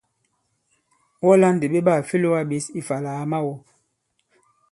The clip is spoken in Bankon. Wɔ lā ndì ɓe ɓaà fe lōgā ɓěs ifà àlà à ma-wɔ̃!